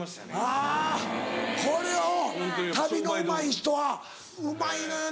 あぁこれはうん旅のうまい人はうまいのよな。